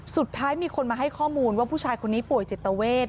สุดท้ายมีคนมาให้ข้อมูลว่าผู้ชายคนนี้ป่วยจิตเวท